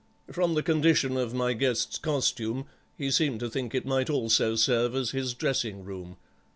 From the condition of my guest's costume he seemed to think it might also serve as his dressing room.